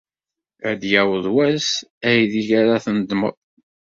Ad d-yaweḍ wass aydeg ara tnedmed.